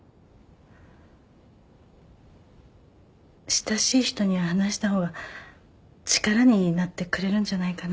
親しい人には話した方が力になってくれるんじゃないかな。